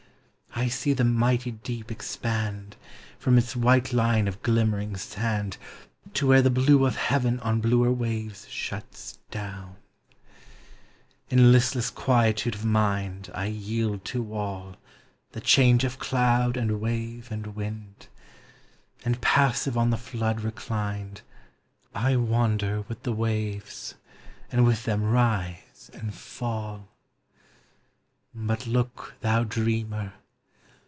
I see the mighty deep expand From its white line of glimmering sand To where the blue of heaven on bluer waves shuts down ! In listless quietude of mind, I yield to all The change of cloud and wave and wind; And passive on the flood reclined, I wander with the waves, and with them rise and fall. But look, thou dreamer!